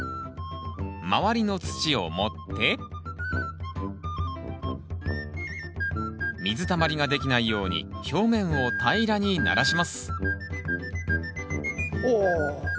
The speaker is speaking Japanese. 周りの土を盛って水たまりができないように表面を平らにならしますおお。